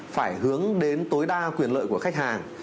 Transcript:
phải hướng đến tối đa quyền lợi của khách hàng